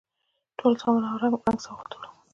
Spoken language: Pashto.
ټول سامان او رنګ په رنګ سوغاتونه